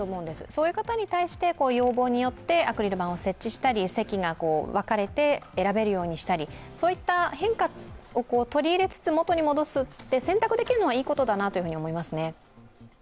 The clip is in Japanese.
そういう方に対して、要望によってアクリル板を設置したり、席が分かれて選べるようにしたり、変化を取り入れつつ、元に戻すなど、選択できるのはいいことだと思いますね。